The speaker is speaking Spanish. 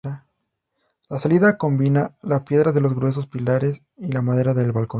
La salida combina la piedra de los gruesos pilares y la madera del balcón.